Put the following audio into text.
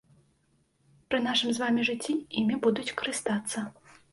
Пры нашым з вамі жыцці імі будуць карыстацца.